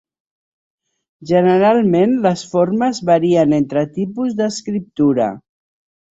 Generalment, les formes varien entre tipus d'escriptura.